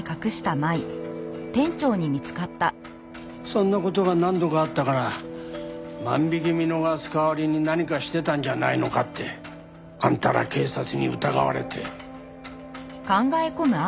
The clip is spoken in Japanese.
そんな事が何度かあったから万引き見逃す代わりに何かしてたんじゃないのかってあんたら警察に疑われて。